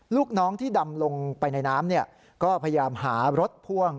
ลูกน้องที่ดำลงไปในน้ำก็พยายามหารถพ่วง